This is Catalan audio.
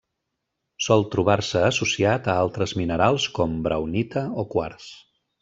Sol trobar-se associat a altres minerals com: braunita o quars.